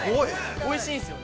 ◆おいしいんですよね。